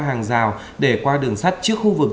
hàng rào để qua đường sắt trước khu vực